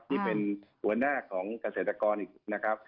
ที่เป็นหัวหน้าของเกษตรกรอีกนะครับ